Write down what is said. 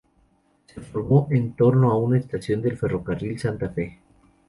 Se formó en torno a una estación del Ferrocarril Santa Fe.